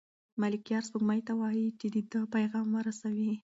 ملکیار سپوږمۍ ته وايي چې د ده پیغام ورسوي.